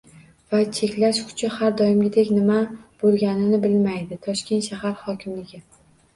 Va cheklash kuchi, har doimgidek, nima bo'lganini bilmaydi? Toshkent shahar hokimligi